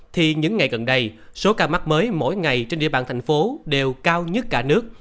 thì những ngày gần đây số ca mắc mới mỗi ngày trên địa bàn thành phố đều cao nhất cả nước